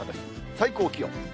最高気温。